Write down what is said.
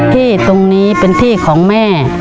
ที่ตรงนี้เป็นที่ของแม่